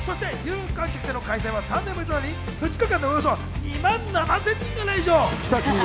そして有観客での開催は３年ぶりとなり、２日間でおよそ２万７０００人が来場。